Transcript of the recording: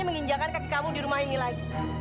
menginjakan kaki kamu di rumah ini lagi